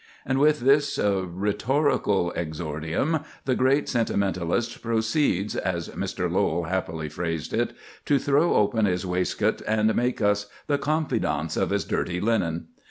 And with this rhetorical exordium, the great sentimentalist proceeds, as Mr. Lowell happily phrased it, to throw "open his waistcoat, and make us the confidants of his dirty linen."